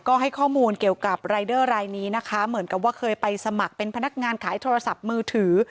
ก็ให้ข้อมูลเกี่ยวกับรายเดอร์รายนี้นะคะเหมือนกับว่าเคยไปสมัครเป็นพนักงานขายโทรศัพท์มือถือ